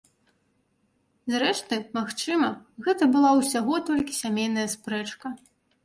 Зрэшты, магчыма, гэта была ўсяго толькі сямейная спрэчка.